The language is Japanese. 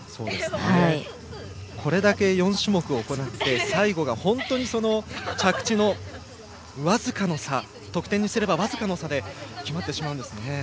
これだけ４種目行って最後が本当に着地の僅かの差得点にすれば僅かの差で決まってしまうんですね。